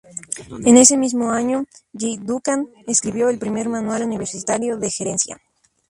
En ese mismo año, J. Duncan escribió el primer manual universitario de gerencia.